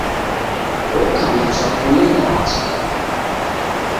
Oka na chwakule ndacha